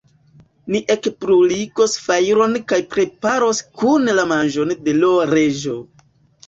Ni ekbruligos fajron kaj preparos kune la manĝon de l' Reĝo.